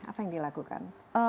apa yang dilakukan